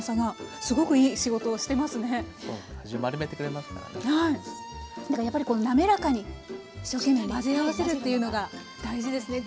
だからやっぱり滑らかに一生懸命混ぜ合わせるというのが大事ですね。